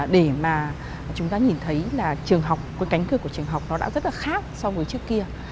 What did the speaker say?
để mà chúng ta nhìn thấy là trường học cái cánh cửa của trường học nó đã rất là khác so với trước kia